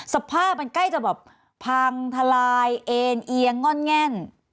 สภาพมันใกล้จะแบบพังทลายเอ็นเอียงง่อนแง่น